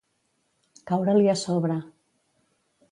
Caure-li a sobre.